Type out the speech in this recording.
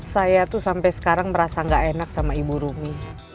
saya tuh sampai sekarang merasa gak enak sama ibu rumi